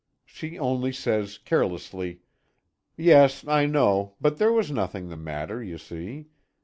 She only says carelessly: "Yes, I know, but there was nothing the matter, you see.